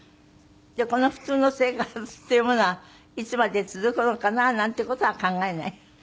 この普通の生活っていうものはいつまで続くのかななんていう事は考えない？